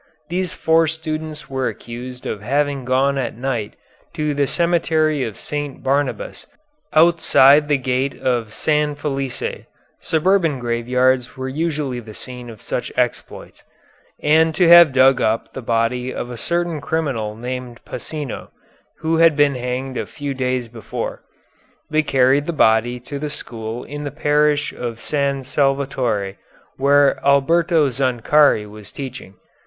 These four students were accused of having gone at night to the Cemetery of St. Barnabas, outside the gate of San Felice, suburban graveyards were usually the scene of such exploits, and to have dug up the body of a certain criminal named Pasino, who had been hanged a few days before. They carried the body to the school in the Parish of San Salvatore, where Alberto Zancari was teaching.